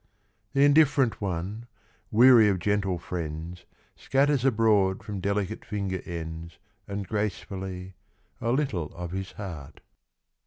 ••• The Indifferent One, weary of gentle friends, Scatters abroad from delicate finger ends, And gracefully, a little of his heart.